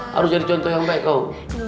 harus jadi contoh yang baik kok